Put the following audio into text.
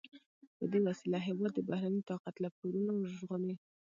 په دې وسیله هېواد د بهرني طاقت له پورونو وژغوري.